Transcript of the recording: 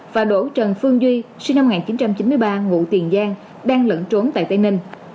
và đỗ trần phương duy sinh năm một nghìn chín trăm chín mươi ba ngụ tiền giang đang lẫn trốn tại tây ninh